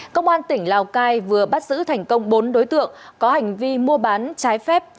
công an tỉnh lào cai vừa bắt giữ thành công bốn đối tượng có hành vi mua bán trái phép